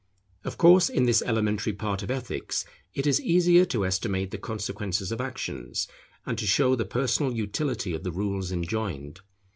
Of course, in this elementary part of Ethics, it is easier to estimate the consequences of actions, and to show the personal utility of the rules enjoined.